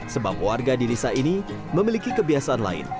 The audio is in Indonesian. sebab warga di desa ini memiliki kebiasaan lain